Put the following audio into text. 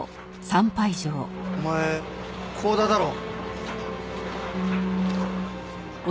お前光田だろ？